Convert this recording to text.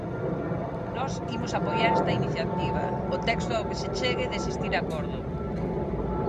Nós imos apoiar esta iniciativa, o texto ao que se chegue, de existir acordo.